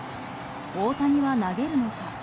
大谷は投げるのか？